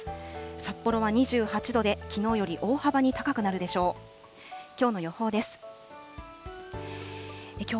札幌は２８度で、きのうより大幅に高くなるでしょう。